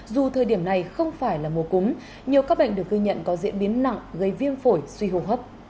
dù thời điểm này không phải là mùa cúm nhiều các bệnh được ghi nhận có diễn biến nặng gây viêm phổi suy hô hấp